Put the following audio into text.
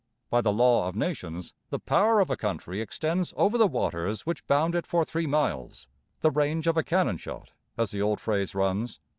By the law of nations the power of a country extends over the waters which bound it for three miles, the range of a cannon shot, as the old phrase runs.